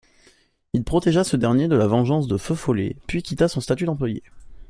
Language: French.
Il protégea ce dernier de la vengeance de Feu-follet, puis quitta son statut d'employé.